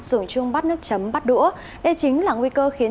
dùng chung bát nước chấm bát đũa đây chính là nguy cơ khiến